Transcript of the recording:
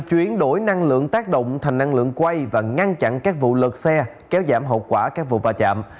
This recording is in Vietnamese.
chuyển đổi năng lượng tác động thành năng lượng quay và ngăn chặn các vụ lật xe kéo giảm hậu quả các vụ va chạm